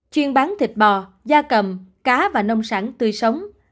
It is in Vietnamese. chuyên bán thịt bò da cầm cá và nông sản tươi sống